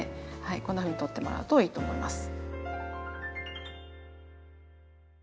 こんなふうに取ってもらうといいと思います。